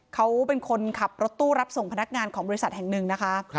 เขาเป็นคนขับรถตู้รับส่งพนักงานของบริษัทแห่งหนึ่งนะคะ